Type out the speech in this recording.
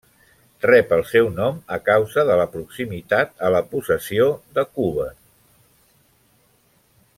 Rep el seu nom a causa de la proximitat a la possessió de Cúber.